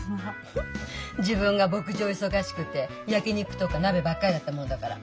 フフッ自分が牧場忙しくて焼き肉とか鍋ばっかりだったもんだから。